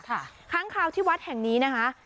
ค้างคาวที่วัดแห่งนี้นะคะ